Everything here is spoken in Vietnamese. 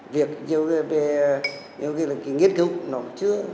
việc nhiều người về nhiều người là cái nghiên cứu nó chưa